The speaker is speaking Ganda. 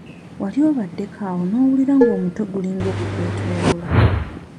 Wali obaddeko awo n'owulira ng'omutwe gulinga ogukwetooloola?